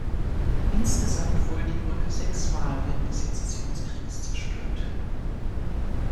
Insgesamt wurde die Brücke sechsmal während des Sezessionskrieges zerstört.